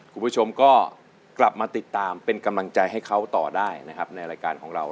คุณผู้ชมก็กลับมาติดตามเป็นกำลังใจให้เขาต่อได้นะครับในรายการของเรา